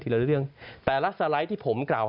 ละเรื่องแต่ละสไลด์ที่ผมกล่าว